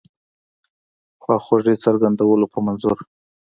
خواخوږی څرګندولو په منظور.